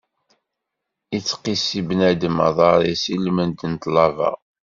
Ittqissi bnadem aḍaṛ-is ilmend n ṭlaba.